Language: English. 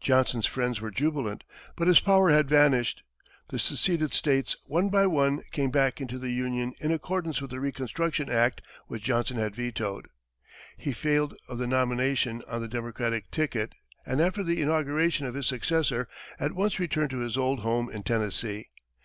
Johnson's friends were jubilant, but his power had vanished. The seceded states one by one came back into the Union in accordance with the Reconstruction act which Johnson had vetoed. He failed of the nomination on the Democratic ticket, and after the inauguration of his successor, at once returned to his old home in Tennessee.